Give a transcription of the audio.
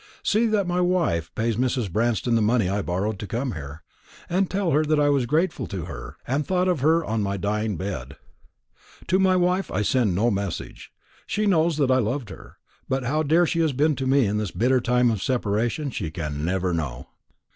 See that my wife pays Mrs. Branston the money I borrowed to come here; and tell her that I was grateful to her, and thought of her on my dying bed. To my wife I send no message. She knows that I loved her; but how dear she has been to me in this bitter time of separation, she can never know.